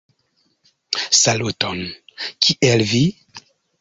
Saluton! Kiel vi?